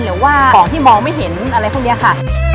หรือว่าของที่มองไม่เห็นอะไรพวกนี้ค่ะ